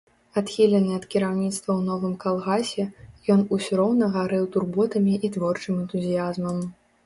Адхілены ад кіраўніцтва ў новым калгасе, ён усё роўна гарэў турботамі і творчым энтузіязмам.